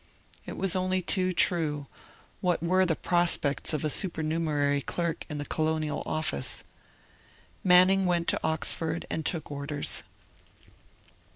It was only too true; what WERE the prospects of a supernumerary clerk in the Colonial Office? Manning went to Oxford and took orders.